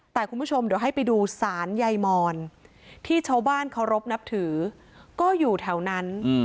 แต่คุณผู้ชมเดี๋ยวให้ไปดูสารใยมอนที่ชาวบ้านเคารพนับถือก็อยู่แถวนั้น